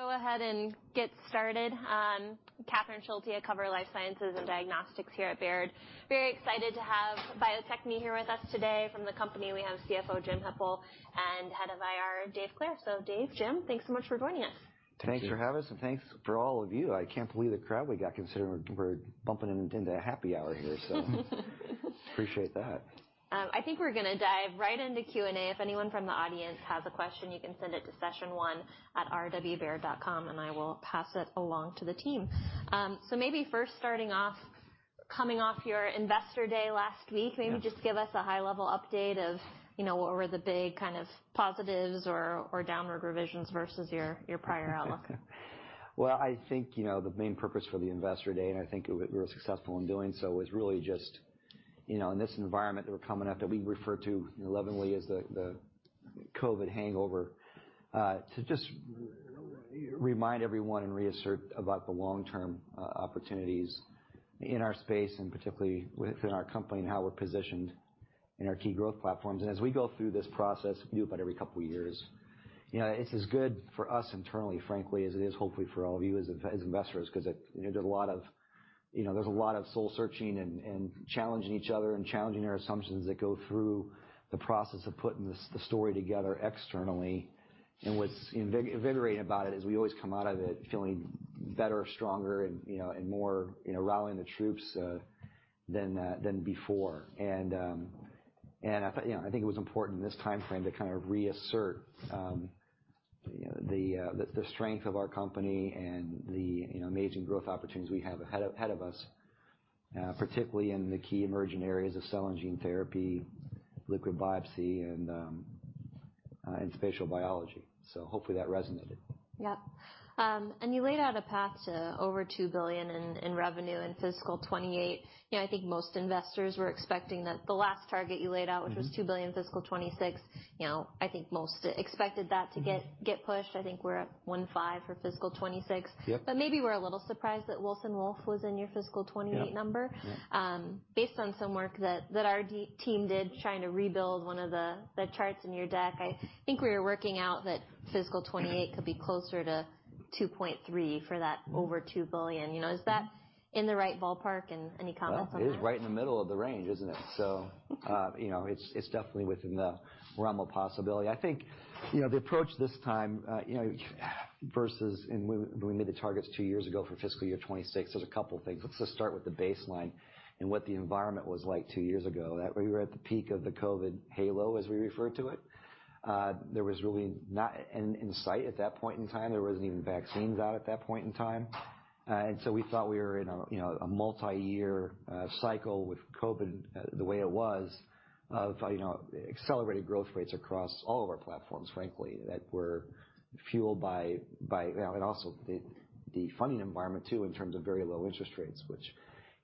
Go ahead and get started. Catherine Schulte, I cover life sciences and diagnostics here at Baird. Very excited to have Bio-Techne here with us today. From the company, we have CFO, Jim Hippel, and Head of IR, Dave Clair. So Dave, Jim, thanks so much for joining us. Thank you. Thanks for having us, and thanks for all of you. I can't believe the crowd we got, considering we're bumping into a happy hour here, so appreciate that. I think we're gonna dive right into Q&A. If anyone from the audience has a question, you can send it to sessionone@rwbaird.com, and I will pass it along to the team. So maybe first starting off, coming off your investor day last week- Maybe just give us a high-level update of, you know, what were the big kind of positives or downward revisions versus your prior outlook? Well, I think, you know, the main purpose for the investor day, and I think it was we were successful in doing so, was really just, you know, in this environment that we're coming out that we refer to lovingly as the COVID Hangover, to just remind everyone and reassert about the long-term opportunities in our space, and particularly within our company, and how we're positioned in our key growth platforms as we go through this process, we do about every couple of years. You know, it's as good for us internally, frankly, as it is hopefully for all of you as investors, 'cause it, you know, there's a lot of, you know, there's a lot of soul searching and challenging each other and challenging our assumptions that go through the process of putting this, the story together externally. What's invigorating about it is we always come out of it feeling better, stronger and, you know, and more, you know, rallying the troops, than before. I thought, you know, I think it was important in this timeframe to kind of reassert, you know, the strength of our company and the, you know, amazing growth opportunities we have ahead of us, particularly in the key emerging areas of Cell and Gene Therapy, Liquid Biopsy, and Spatial Biology. So hopefully that resonated. Yeah. And you laid out a path to over $2 billion in, in revenue in fiscal 2028. You know, I think most investors were expecting that the last target you laid out which was $2 billion fiscal 2026, you know, I think most expected that to get pushed. I think we're at $1.5 billion for fiscal 2026. Yep. Maybe we're a little surprised that Wilson Wolf was in your fiscal 28 number. Yeah. Yeah. Based on some work that our team did, trying to rebuild one of the charts in your deck, I think we were working out that fiscal 2028 could be closer to $2.3 billion for that. over $2 billion. You know, is that in the right ballpark? Any comments on that? Well, it is right in the middle of the range, isn't it? So, you know, it's, it's definitely within the realm of possibility. I think, you know, the approach this time, you know, versus in when, when we made the targets two years ago for fiscal year 2026, there's a couple things let's just start with the baseline and what the environment was like two years ago that we were at the peak of the COVID halo, as we referred to it. There was really not an end in sight at that point in time. There wasn't even vaccines out at that point in time. And so we thought we were in a, you know, a multiyear, cycle with COVID, the way it was, of, you know, accelerated growth rates across all of our platforms, frankly, that were fueled by, by... Also, the funding environment, too, in terms of very low interest rates, which,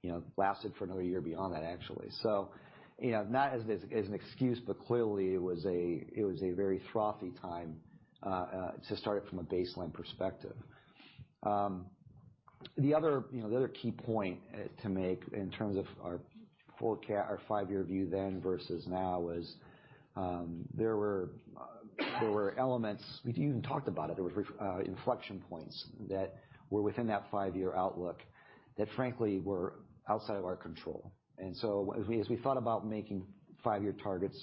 you know, lasted for another year beyond that, actually. You know, not as an excuse, but clearly it was a very frothy time to start it from a baseline perspective. The other key point to make in terms of our forecast, our five-year view then versus now, was there were elements—we've even talked about it there was inflection points that were within that five-year outlook that, frankly, were outside of our control. As we thought about making five-year targets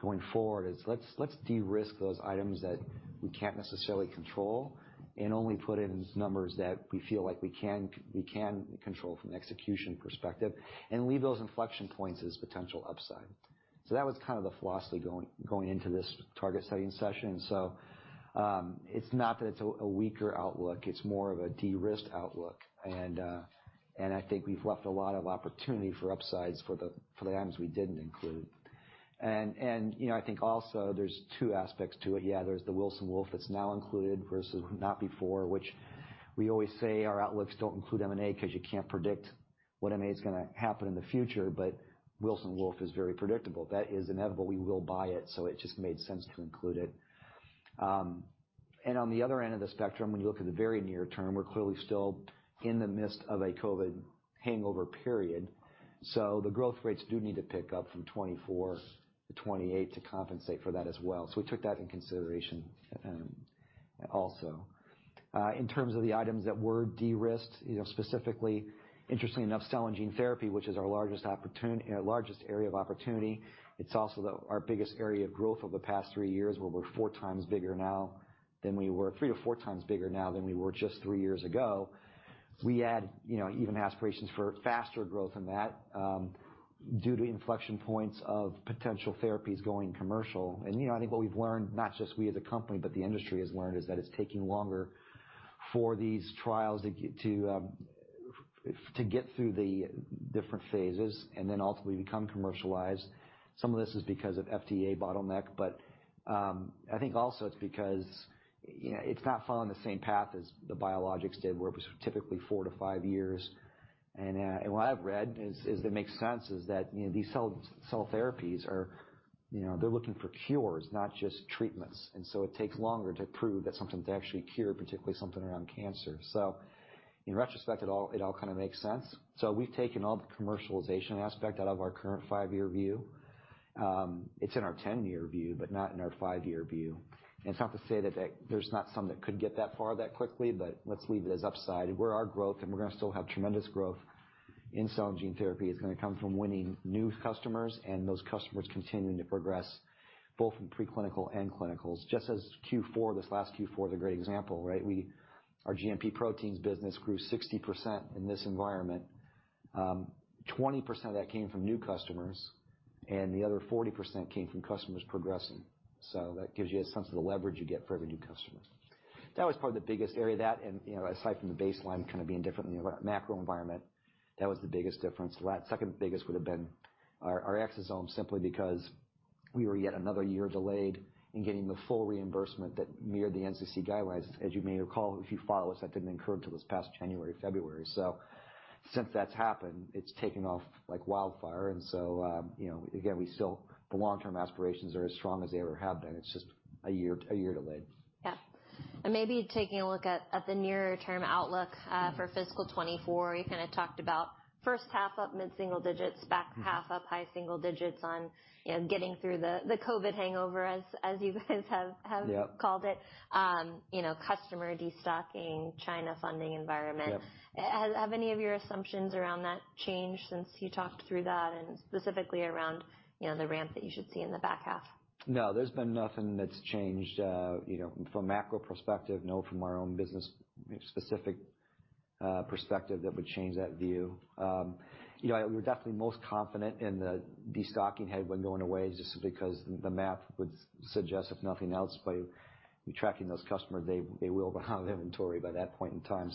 going forward, let's de-risk those items that we can't necessarily control and only put in numbers that we feel like we can control from an execution perspective and leave those inflection points as potential upside. So that was kind of the philosophy going into this target setting session. It's not that it's a weaker outlook, it's more of a de-risked outlook. I think we've left a lot of opportunity for upsides for the items we didn't include. You know, I think also there's two aspects to it yeah, there's the Wilson Wolf that's now included versus not before, which we always say our outlooks don't include M&A, 'cause you can't predict what M&A is gonna happen in the future. But Wilson Wolf is very predictable that is inevitable we will buy it, so it just made sense to include it. On the other end of the spectrum, when you look at the very near term, we're clearly still in the midst of a COVID Hangover period, so the growth rates do need to pick up from 24 to 28 to compensate for that as well so we took that into consideration, also. In terms of the items that were de-risked, you know, specifically, interestingly enough, Cell and Gene Therapy, which is our largest opportunity, our largest area of opportunity. It's also our biggest area of growth over the past three years, where we're four times bigger now than we were, three to four times bigger now than we were just three years ago. We had, you know, even aspirations for faster growth than that, due to inflection points of potential therapies going commercial. And, you know, I think what we've learned, not just we as a company, but the industry has learned, is that it's taking longer for these trials to get through the different phases and then ultimately become commercialized. Some of this is because of FDA bottleneck, but, I think also it's because, you know, it's not following the same path as the biologics did, where it was typically four to five years. What I've read is that it makes sense, that, you know, these cell, cell therapies are... You know, they're looking for cures, not just treatments and so it takes longer to prove that something's actually a cure, particularly something around cancer. In retrospect, it all, it all kind of makes sense. So we've taken all the commercialization aspect out of our current five-year view. It's in our 10 year view, but not in our five-year view. And it's not to say that, that there's not something that could get that far that quickly, but let's leave it as upside, where our growth, and we're gonna still have tremendous growth-... in cell and gene therapy is going to come from winning new customers and those customers continuing to progress, both in preclinical and clinicals, just as Q4, this last Q4 is a great example, right? Our GMP proteins business grew 60% in this environment. 20% of that came from new customers, and the other 40% came from customers progressing. That gives you a sense of the leverage you get for every new customer. That was probably the biggest area, you know, aside from the baseline kind of being different in the macro environment, that was the biggest difference the second biggest would have been our, our exosomes, simply because we were yet another year delayed in getting the full reimbursement that mirrored the NCCN guidelines as you may recall, if you follow us, that didn't occur until this past January, February. Since that's happened, it's taken off like wildfire, and so, you know, again, we still, the long-term aspirations are as strong as they ever have been. It's just a year, a year delayed. Yeah. And maybe taking a look at the nearer term outlook for fiscal 2024, you kind of talked about first half up mid-single digits, back half up high single digits on, you know, getting through the COVID hangover, as you guys have- Yeah. Called it. You know, customer destocking, China funding environment. Yeah. Have any of your assumptions around that changed since you talked through that, and specifically around, you know, the ramp that you should see in the back half? No, there's been nothing that's changed, you know, from a macro perspective, no, from our own business-specific perspective, that would change that view. You know, we're definitely most confident in the destocking headwind going away just because the math would suggest, if nothing else, by tracking those customers, they, they will run out of inventory by that point in time.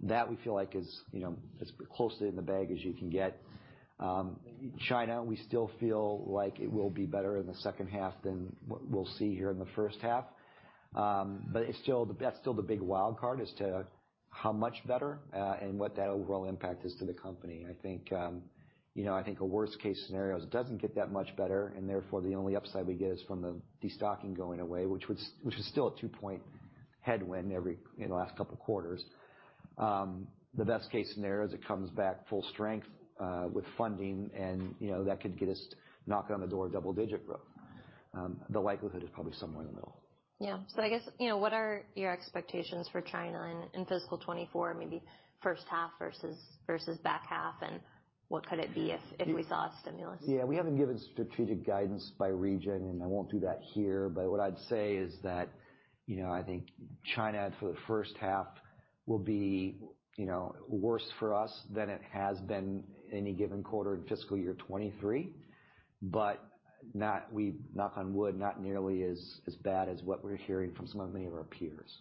That we feel like is, you know, as closely in the bag as you can get. China, we still feel like it will be better in the second half than what we'll see here in the first half. But it's still - that's still the big wild card as to how much better, and what that overall impact is to the company i think- -You know, I think a worst case scenario is it doesn't get that much better, and therefore, the only upside we get is from the destocking going away, which was, which is still a 2-point headwind every, in the last couple of quarters. The best case scenario is it comes back full strength, with funding and, you know, that could get us knock on the door, double-digit growth. The likelihood is probably somewhere in the middle. Yeah. So I guess, you know, what are your expectations for China in fiscal 2024, maybe first half versus back half, and what could it be if we saw a stimulus? Yeah, we haven't given strategic guidance by region, and I won't do that here but what I'd say is that, you know, I think China, for the first half, will be, you know, worse for us than it has been any given quarter in fiscal year 2023, but not, knock on wood, not nearly as bad as what we're hearing from some of many of our peers.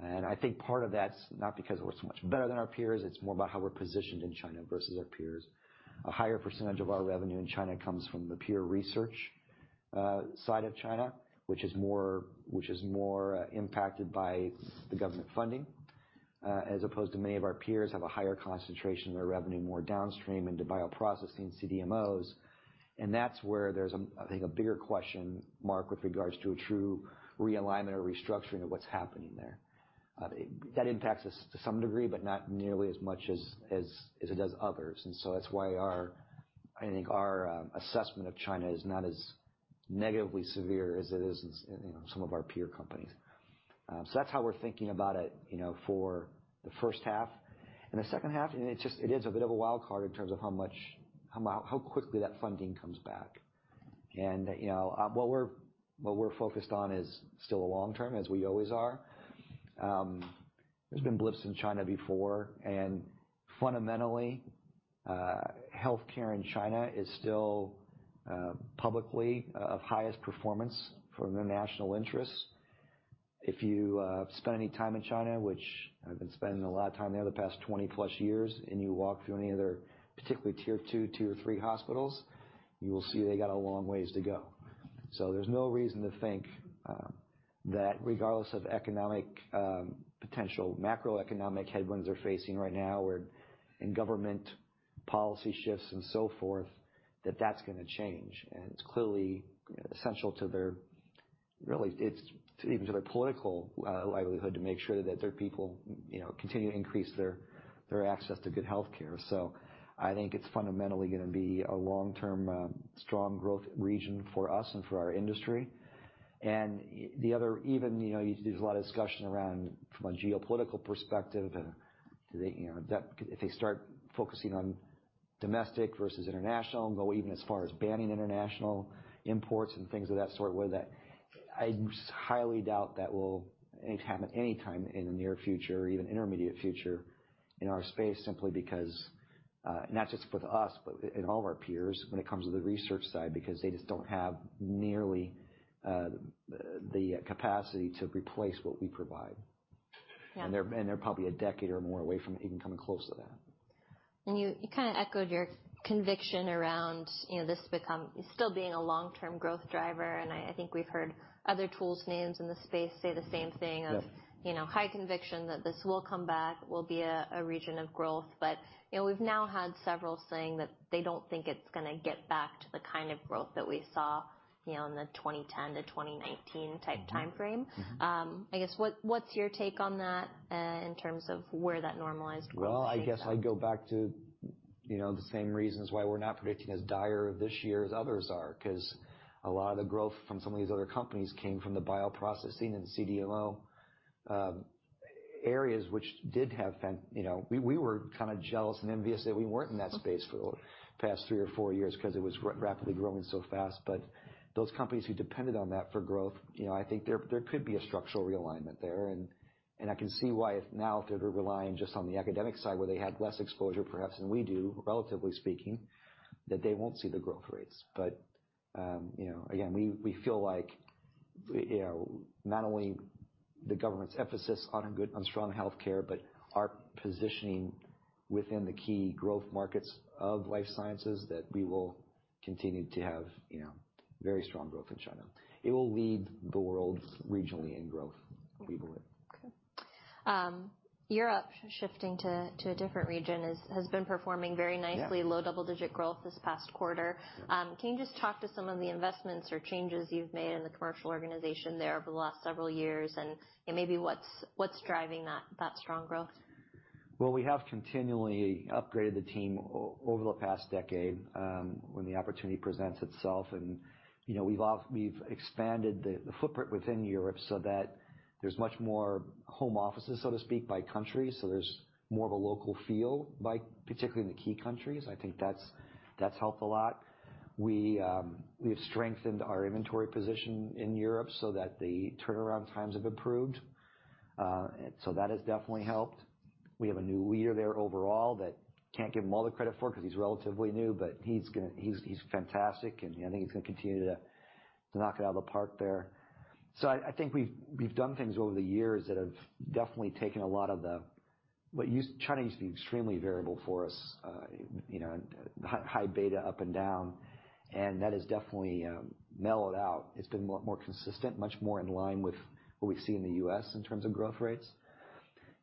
I think part of that's not because we're so much better than our peers, it's more about how we're positioned in China versus our peers. A higher percentage of our revenue in China comes from the pure research side of China, which is more impacted by the government funding, as opposed to many of our peers have a higher concentration of their revenue, more downstream into bioprocessing CDMOs. That's where there's a, I think, a bigger question mark with regards to a true realignment or restructuring of what's happening there. That impacts us to some degree, but not nearly as much as it does others and so that's why our, I think, our assessment of China is not as negatively severe as it is in, you know, some of our peer companies. So that's how we're thinking about it, you know, for the first half. In the second half, and it just, it is a bit of a wild card in terms of how much, how quickly that funding comes back. You know, what we're focused on is still the long term, as we always are. There's been blips in China before, and fundamentally, healthcare in China is still publicly of highest performance for their national interests. If you have spent any time in China, which I've been spending a lot of time there the past 20-plus years, and you walk through any of their particularly tier two, tier three hospitals, you will see they got a long ways to go. There's no reason to think that regardless of economic potential macroeconomic headwinds they're facing right now, or in government policy shifts and so forth, that that's going to change. And it's clearly essential to their... Really, it's even to their political livelihood, to make sure that their people, you know, continue to increase their, their access to good healthcare. I think it's fundamentally going to be a long-term, strong growth region for us and for our industry. And the other even, you know, there's a lot of discussion around from a geopolitical perspective, and do they, you know, that if they start focusing on domestic versus international, and go even as far as banning international imports and things of that sort whether that- -I just highly doubt that will happen anytime in the near future or even intermediate future in our space, simply because, not just with us, but in all of our peers, when it comes to the research side, because they just don't have nearly, the capacity to replace what we provide. Yeah. They're probably a decade or more away from even coming close to that. You, you kind of echoed your conviction around, you know, this become-- still being a long-term growth driver, and I, I think we've heard other tools names in the space say the same thing- Yeah... of, you know, high conviction, that this will come back, will be a region of growth. You know, we've now had several saying that they don't think it's gonna get back to the kind of growth that we saw, you know, in the 2010 to 2019 type time frame. I guess, what's your take on that, in terms of where that normalized growth rate is at? Well, I guess I'd go back to, you know, the same reasons why we're not predicting as dire this year as others are, 'cause a lot of the growth from some of these other companies came from the bioprocessing and CDMO areas which did have fan, you know, we, we were kind of jealous and envious that we weren't in that space for the past three or four years because it was rapidly growing so fast. Those companies who depended on that for growth, you know, I think there, there could be a structural realignment there, and, and I can see why if now, if they're relying just on the academic side, where they had less exposure, perhaps, than we do, relatively speaking, that they won't see the growth rates. You know, again, we feel like, you know, not only the government's emphasis on strong healthcare, but our positioning within the key growth markets of life sciences, that we will continue to have, you know, very strong growth in China. It will lead the world regionally in growth, we believe. Okay. Europe, shifting to a different region, has been performing very nicely- Yeah. Low double-digit growth this past quarter. Yeah. Can you just talk to some of the investments or changes you've made in the commercial organization there over the last several years, and maybe what's driving that strong growth? Well, we have continually upgraded the team over the past decade, when the opportunity presents itself and, you know, we've we've expanded the footprint within Europe so that there's much more home offices, so to speak, by country, so there's more of a local feel by, particularly in the key countries i think that's helped a lot. We have strengthened our inventory position in Europe so that the turnaround times have improved. So that has definitely helped. We have a new leader there overall that, can't give him all the credit for it because he's relatively new, but he's gonna, he's, he's fantastic, and I think he's going to continue to knock it out of the park there. So I think we've done things over the years that have definitely taken a lot of the... What used to China used to be extremely variable for us, you know, high beta, up and down, and that has definitely mellowed out. It's been more consistent, much more in line with what we've seen in the U.S. in terms of growth rates.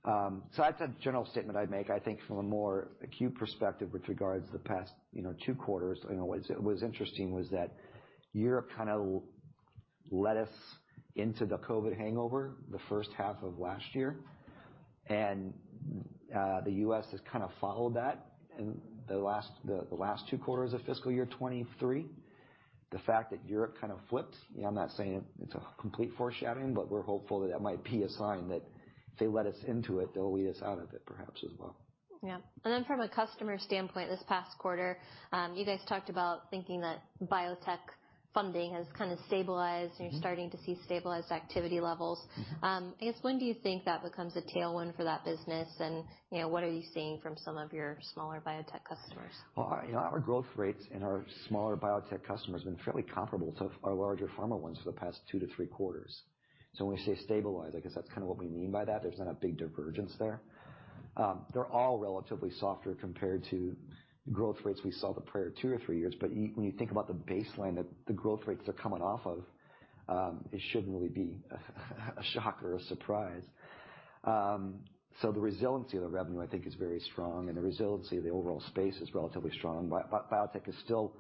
So that's a general statement I'd make. I think from a more acute perspective with regards to the past two quarters, you know, what was interesting was that Europe kind of led us into the COVID hangover the first half of last year. The U.S. has kind of followed that in the last two quarters of fiscal year 2023. The fact that Europe kind of flipped, you know. I'm not saying it's a complete foreshadowing, but we're hopeful that that might be a sign that if they let us into it, they'll lead us out of it, perhaps, as well. Yeah. And then from a customer standpoint, this past quarter, you guys talked about thinking that biotech funding has kind of stabilized-and you're starting to see stabilized activity levels. I guess, when do you think that becomes a tailwind for that business? And, you know, what are you seeing from some of your smaller biotech customers? Well, our, you know, our growth rates in our smaller biotech customers have been fairly comparable to our larger pharma ones for the past two to three quarters. So when we say stabilized, I guess that's kind of what we mean by that there's not a big divergence there. They're all relatively softer compared to growth rates we saw the prior two to three years. But when you think about the baseline that the growth rates are coming off of, it shouldn't really be a shock or a surprise. So the resiliency of the revenue, I think, is very strong, and the resiliency of the overall space is relatively strong. Biotech is still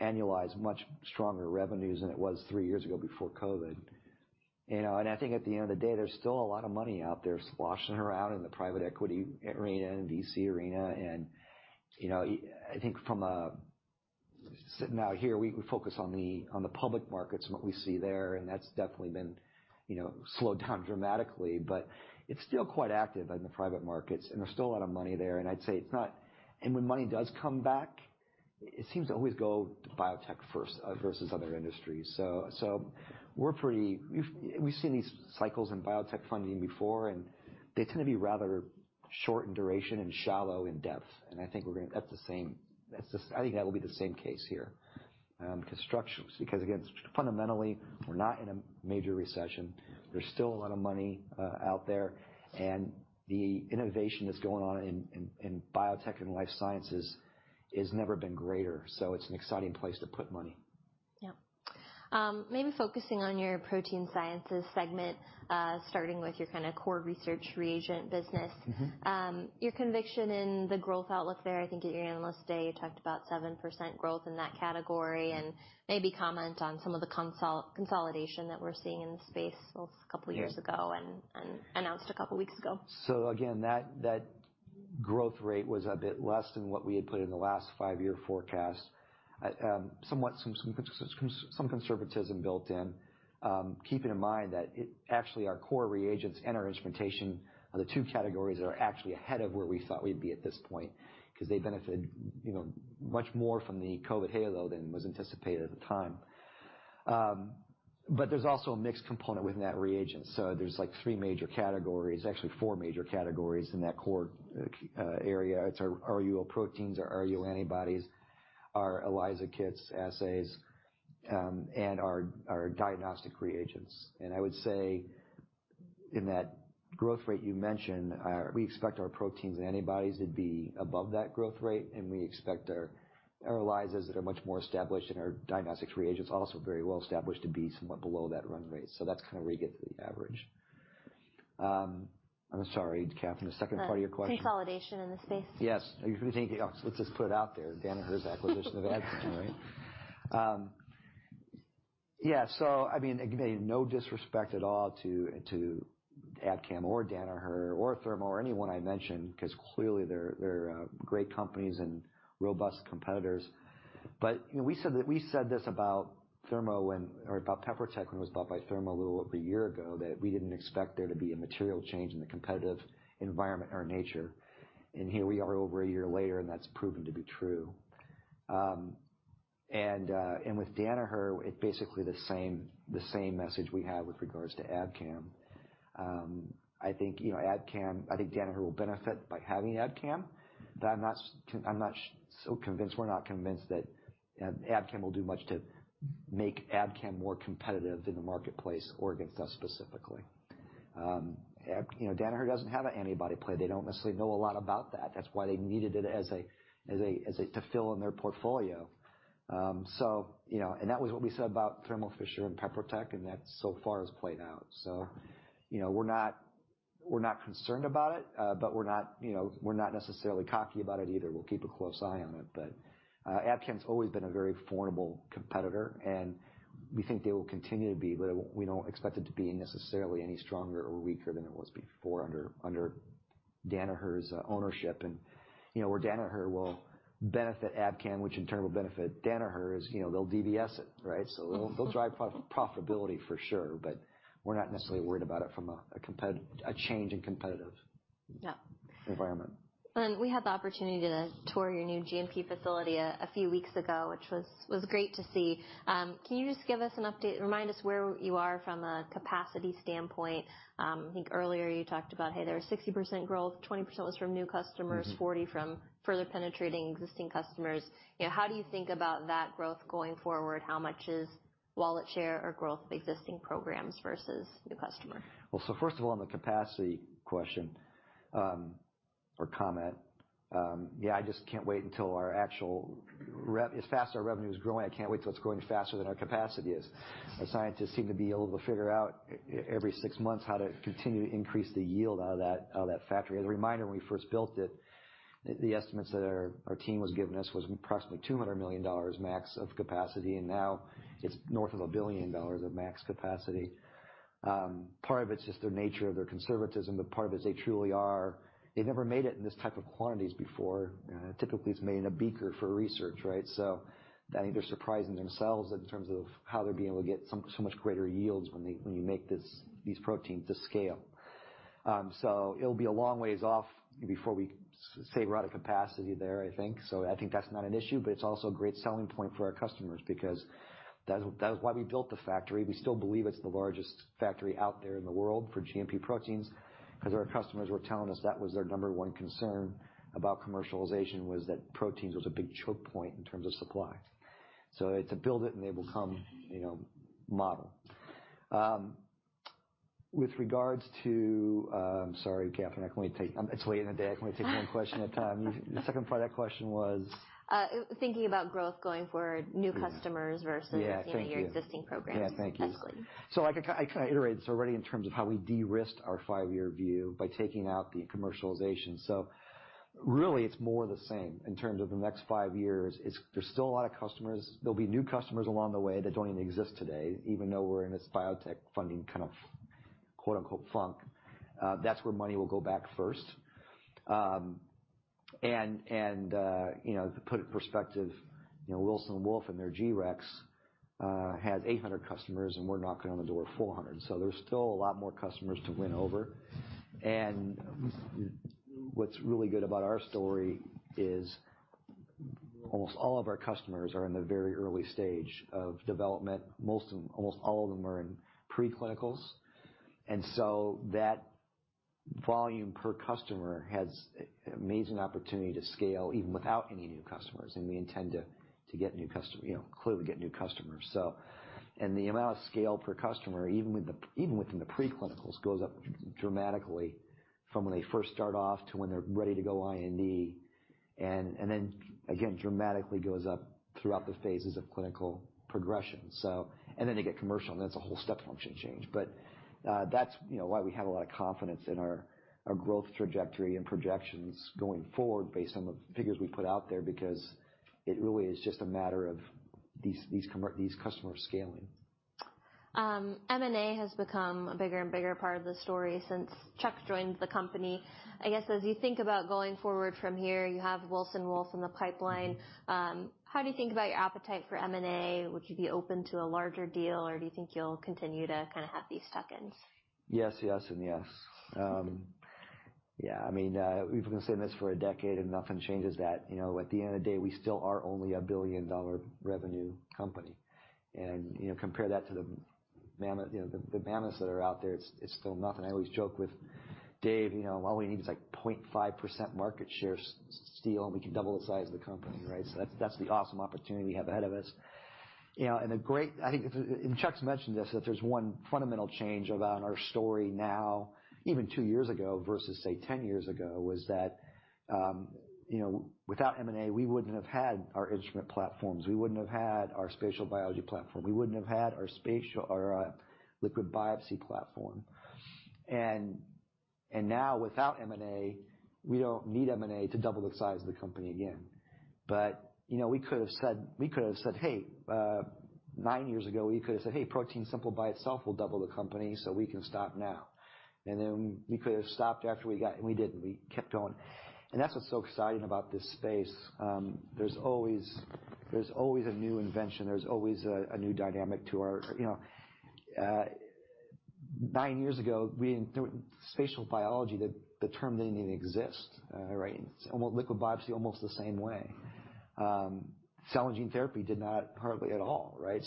annualized, much stronger revenues than it was three years ago before COVID. You know, and I think at the end of the day, there's still a lot of money out there sloshing around in the private equity arena and VC arena, and, you know, I think from a... Sitting out here, we focus on the public markets and what we see there, and that's definitely been, you know, slowed down dramatically. It's still quite active in the private markets, and there's still a lot of money there and I'd say it's not-- And when money does come back, it seems to always go to biotech first, versus other industries. We're pretty-- We've seen these cycles in biotech funding before, and they tend to be rather short in duration and shallow in depth, and I think we're gonna that's the same. That's the-- I think that will be the same case here. Because structurally, because again, fundamentally, we're not in a major recession. There's still a lot of money out there, and the innovation that's going on in biotech and life sciences has never been greater, so it's an exciting place to put money. Yeah. Maybe focusing on your Protein Sciences segment, starting with your kind of core research reagent business. Your conviction in the growth outlook there, I think at your Analyst Day, you talked about 7% growth in that category, and maybe comment on some of the consolidation that we're seeing in the space a couple years ago and announced a couple weeks ago. Again, that growth rate was a bit less than what we had put in the last five-year forecast. I some conservatism built in. Keeping in mind that it actually, our core reagents and our instrumentation are the two categories that are actually ahead of where we thought we'd be at this point, because they benefited, you know, much more from the COVID hangover than was anticipated at the time. There's also a mixed component within that reagent so there's, like, three major categories, actually, four major categories in that core area it's our RUO proteins, our RUO antibodies, our ELISA kits, assays, and our diagnostic reagents. I would say in that growth rate you mentioned, we expect our proteins and antibodies to be above that growth rate, and we expect our, our ELISAs that are much more established, and our diagnostics reagents, also very well established, to be somewhat below that run rate so that's kind of where you get to the average. I'm sorry, Catherine, the second part of your question? Consolidation in the space. Yes. You think, oh, let's just put it out there, Danaher's acquisition of Waters, right? Yeah, so I mean, again, no disrespect at all to Abcam or Danaher or Thermo or anyone I mentioned, 'cause clearly they're great companies and robust competitors. We said this about Thermo when, or about PeproTech when it was bought by Thermo a little over a year ago, that we didn't expect there to be a material change in the competitive environment or nature. And here we are over a year later, and that's proven to be true. With Danaher, it's basically the same, the same message we had with regards to Abcam. I think, you know, Abcam, I think Danaher will benefit by having Abcam, but I'm not so convinced, we're not convinced that Abcam will do much to make Abcam more competitive in the marketplace or against us specifically. You know, Danaher doesn't have an antibody play they don't necessarily know a lot about that, that's why they needed it as a to fill in their portfolio. You know, and that was what we said about Thermo Fisher and ProteinTech, and that so far has played out. You know, we're not, we're not concerned about it, but we're not, you know, we're not necessarily cocky about it either we'll keep a close eye on it, but Abcam's always been a very formidable competitor, and we think they will continue to be, but we don't expect it to be necessarily any stronger or weaker than it was before under Danaher's ownership. You know, where Danaher will benefit Abcam, which in turn will benefit Danaher, is, you know, they'll DBS it, right? So they'll drive profitability for sure, but we're not necessarily worried about it fro a change in competitive- Yeah. -environment. We had the opportunity to tour your new GMP facility a few weeks ago, which was great to see. Can you just give us an update, remind us where you are from a capacity standpoint? I think earlier you talked about, hey, there was 60% growth, 20% was from new customers 40 from further penetrating existing customers. You know, how do you think about that growth going forward? How much is wallet share or growth of existing programs versus new customer? Well, so first of all, on the capacity question, or comment, yeah, I just can't wait until our actual rev... As fast as our revenue is growing, I can't wait till it's growing faster than our capacity is. Our scientists seem to be able to figure out every six months how to continue to increase the yield out of that, out of that factory as a reminder, when we first built it, the estimates that our team was giving us was approximately $200 million max of capacity, and now it's north of $1 billion of max capacity. Part of it's just the nature of their conservatism, but part of it's they truly are...they've never made it in this type of quantities before. Typically, it's made in a beaker for research, right? I think they're surprising themselves in terms of how they're being able to get so much greater yields when they, when you make this, these proteins to scale. It'll be a long ways off before we say we're out of capacity there, I think so I think that's not an issue, but it's also a great selling point for our customers because that's, that was why we built the factory we still believe it's the largest factory out there in the world for GMP proteins. Cause our customers were telling us that was their number one concern about commercialization, was that proteins was a big choke point in terms of supply. So it's a build it, and they will come, you know, model. With regards to... Sorry, Catherine, I can only take-- it's late in the day. I can only take one question at a time. The second part of that question was? Thinking about growth going forward, new customers--versus- Yeah, thank you. your existing programs. Yeah, thank you. Essentially. I kind of, I kinda iterated this already in terms of how we de-risked our five-year view by taking out the commercialization. Really, it's more the same in terms of the next five years. It's. There's still a lot of customers. There'll be new customers along the way that don't even exist today, even though we're in this biotech funding, kind of, quote, unquote, "funk." That's where money will go back first. You know, to put it in perspective, you know, Wilson Wolf and their G-Rex has 800 customers, and we're knocking on the door at 400. So there's still a lot more customers to win over, and what's really good about our story is almost all of our customers are in the very early stage of development. Most of them, almost all of them are in pre-clinicals, and so that volume per customer has an amazing opportunity to scale, even without any new customers, and we intend to get new customer, you know, clearly get new customers. The amount of scale per customer, even within the pre-clinicals, goes up dramatically from when they first start off to when they're ready to go IND. And then, again, dramatically goes up throughout the phases of clinical progression. Then they get commercial, and that's a whole step function change but that's, you know, why we have a lot of confidence in our growth trajectory and projections going forward based on the figures we put out there, because it really is just a matter of these customers scaling. M&A has become a bigger and bigger part of the story since Chuck joined the company. I guess, as you think about going forward from here, you have Wilson Wolf in the pipeline. How do you think about your appetite for M&A? Would you be open to a larger deal, or do you think you'll continue to kind of have these tuck-ins? Yes, yes, and yes. Yeah, I mean, we've been saying this for a decade, and nothing changes that. You know, at the end of the day, we still are only a billion-dollar revenue company. You know, compare that to the mammoth, you know, the, the mammoths that are out there, it's, it's still nothing i always joke with Dave, you know, all we need is, like, 0.5% market share steal, and we can double the size of the company, right? So that's, that's the awesome opportunity we have ahead of us. You know, and a great. I think, and Chuck's mentioned this, that there's one fundamental change about our story now, even two years ago versus, say, 10 years ago, was that, you know, without M&A, we wouldn't have had our instrument platforms. We wouldn't have had our Spatial Biology platform. We wouldn't have had our Spatial... our Liquid Biopsy platform. Now, without M&A, we don't need M&A to double the size of the company again. You know, we could have said, we could have said, "Hey," nine years ago, we could have said, "Hey, ProteinSimple by itself will double the company, so we can stop now." And then we could have stopped after we got we didn't we kept going, and that's what's so exciting about this space. There's always, there's always a new invention there's always a new dynamic to our, you know. Nine years ago, Spatial Biology, the term didn't even exist, right? And Liquid Biopsy, almost the same way. Cell and Gene Therapy did not hardly at all, right?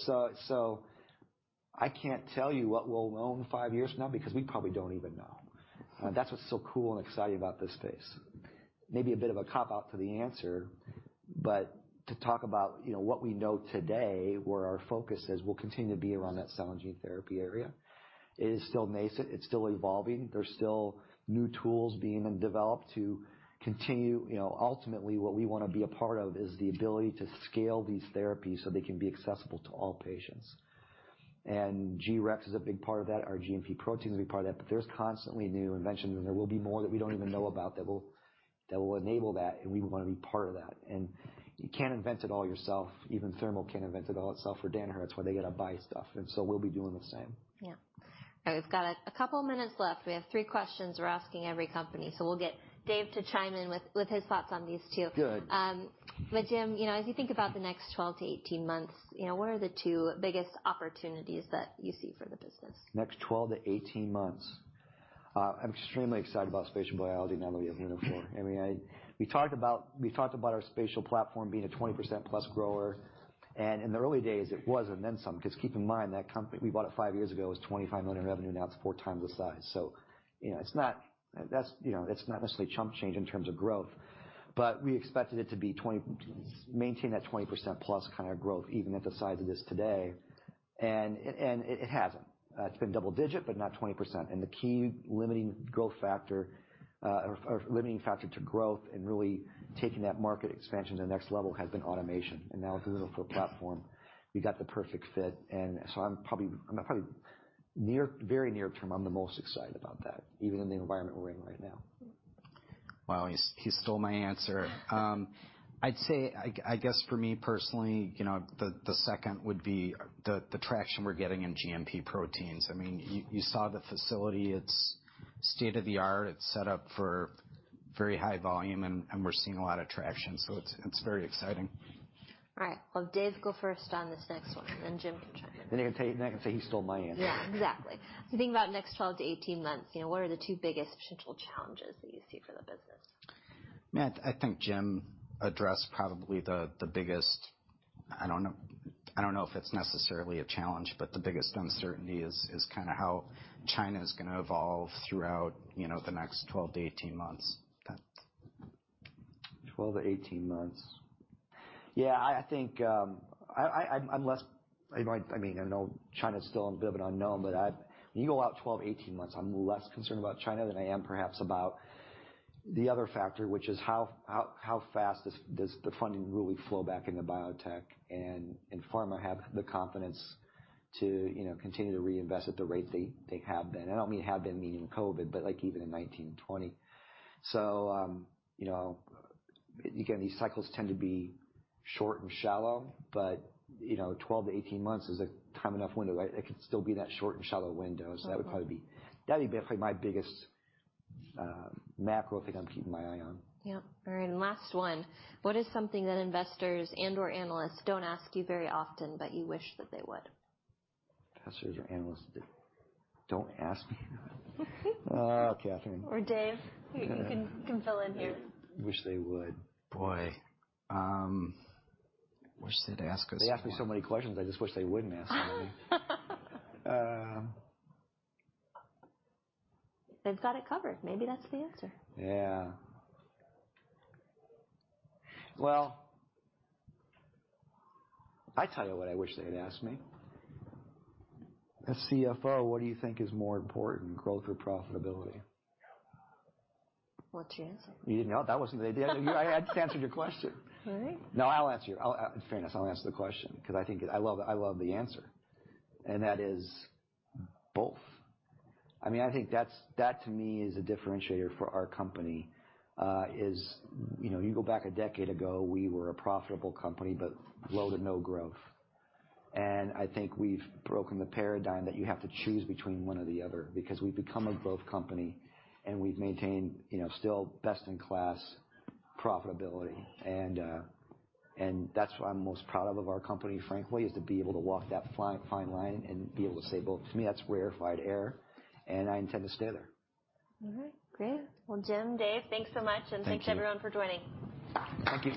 I can't tell you what we'll own five years from now, because we probably don't even know. That's what's so cool and exciting about this space. Maybe a bit of a cop-out to the answer, but to talk about, you know, what we know today, where our focus is, will continue to be around that cell and gene therapy area. It is still nascent it's still evolving there's still new tools being developed to continue you know, ultimately, what we want to be a part of is the ability to scale these therapies so they can be accessible to all patients. G-Rex is a big part of that our GMP protein is a big part of that, but there's constantly new inventions, and there will be more that we don't even know about that will, that will enable that, and we want to be part of that. You can't invent it all yourself. Even Thermo can't invent it all itself or Danaher that's why they got to buy stuff, and so we'll be doing the same. Yeah. We've got a couple of minutes left. We have three questions we're asking every company, so we'll get Dave to chime in with his thoughts on these, too. Good. But Jim, you know, as you think about the next 12-18 months, you know, what are the two biggest opportunities that you see for the business? Next 12-18 months, I'm extremely excited about spatial biology, now that we have Lunaphore. I mean, we talked about our spatial platform being a 20%+ grower, and in the early days, it was and then some, because keep in mind, that company, we bought it five years ago, it was $25 million revenue, now it's four times the size. You know, it's not... That's, you know, that's not necessarily chump change in terms of growth, but we expected it to maintain that 20%+ kind of growth, even at the size it is today, and it hasn't. It's been double digit, but not 20% and the key limiting growth factor, or limiting factor to growth and really taking that market expansion to the next level has been automation and now with Lunaphore platform, we got the perfect fit, and so I'm probably, I'm probably near, very near term, I'm the most excited about that, even in the environment we're in right now. Well, he stole my answer. I'd say, I guess for me personally, you know, the second would be the traction we're getting in GMP proteins. I mean, you saw the facility. It's state-of-the-art. It's set up for very high volume, and we're seeing a lot of traction, so it's very exciting. All right. Well, Dave, go first on this next one, then Jim can chime in. Then you can say, then I can say he stole my answer. Yeah, exactly. So think about the next 12-18 months. You know, what are the two biggest potential challenges that you see for the business? Yeah, I think Jim addressed probably the biggest... I don't know if it's necessarily a challenge, but the biggest uncertainty is kind of how China is going to evolve throughout, you know, the next 12-18 months. 12-18 months. Yeah, I think, I'm less—I might—I mean, I know China is still a bit of an unknown, but I've—when you go out 12-18 months, I'm less concerned about China than I am perhaps about the other factor, which is how fast does the funding really flow back into biotech, and pharma have the confidence to, you know, continue to reinvest at the rate they have been? I don't mean have been, meaning COVID, but like even in 2019 and 2020. You know, again, these cycles tend to be short and shallow, but, you know, 12-18 months is time enough window, right? It could still be that short and shallow window that'd be probably my biggest macro thing I'm keeping my eye on. Yeah. All right, and last one: What is something that investors and/or analysts don't ask you very often, but you wish that they would? Investors or analysts don't ask me? Oh, Catherine. Or, Dave, you can, you can fill in here. Wish they would... Boy, wish they'd ask us more. They ask me so many questions. I just wish they wouldn't ask some of them. They've got it covered. Maybe that's the answer. Yeah. Well, I tell you what I wish they'd ask me: "As CFO, what do you think is more important, growth or profitability? What's your answer? You didn't... No, that wasn't the idea. I had to answer your question. All right. No, I'll answer you. In fairness, I'll answer the question because I think I love, I love the answer, and that is both. I mean, I think that's that, to me, is a differentiator for our company, you know, you go back a decade ago, we were a profitable company, but slow to no growth. I think we've broken the paradigm that you have to choose between one or the other, because we've become a growth company, and we've maintained, you know, still best-in-class profitability. And that's what I'm most proud of, of our company, frankly, is to be able to walk that fine, fine line and be able to say both to me, that's rarefied air, and I intend to stay there. All right, great. Well, Jim, Dave, thanks so much- Thank you. Thanks, everyone, for joining. Thank you.